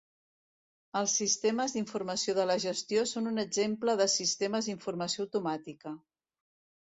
Els sistemes d'informació de la gestió són un exemple de sistemes d'informació automàtica.